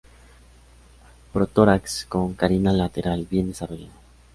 Protórax con carina lateral bien desarrollada.